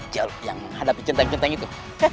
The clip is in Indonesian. jalur yang menghadapi centang centang itu